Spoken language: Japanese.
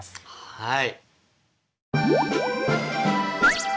はい。